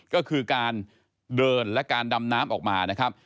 ก็คือการเดินและการดำน้ำออกมานะครับ